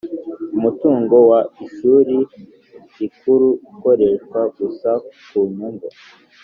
Umutungo wa Ishuri Rikuru ukoreshwa gusa ku nyungu